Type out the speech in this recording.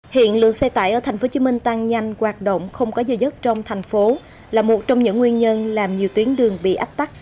hiện lượng xe tải ở tp hcm tăng nhanh hoạt động không có dây dất trong thành phố là một trong những nguyên nhân làm nhiều tuyến đường bị ách tắc